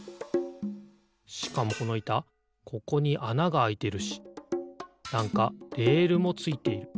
しかもこのいたここにあながあいてるしなんかレールもついている。